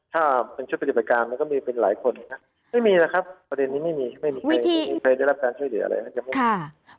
ถ้าเป็นชุดปฏิบัติการมันก็มีเป็นหลายคนไม่มีนะครับประเด็นนี้ไม่มีใครได้รับการช่วยหรืออะไร